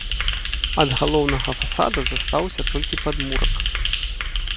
Ад галоўнага фасада застаўся толькі падмурак.